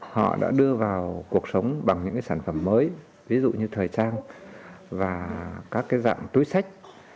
họ đã đưa vào cuộc sống bằng những cái sản phẩm mới ví dụ như thời trang và các dạng túi sách